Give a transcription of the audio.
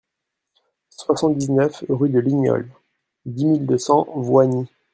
soixante-dix-neuf rue de Lignol, dix mille deux cents Voigny